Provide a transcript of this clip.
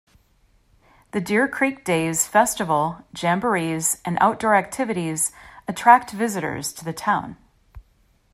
The Deer Creek Days Festival, Jamborees, and outdoor activities attract visitors to the town.